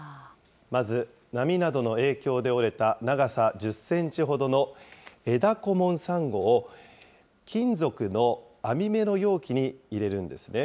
まず波などの影響で折れた長さ１０センチほどの、エダコモンサンゴを、金属の網目の容器に入れるんですね。